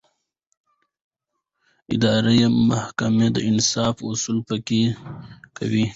اداري محکمې د انصاف اصل پلي کوي.